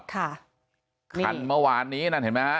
คันเมื่อวานนี้นั่นเห็นไหมฮะ